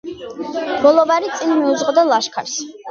ბოლივარი წინ მიუძღოდა ლაშქარს.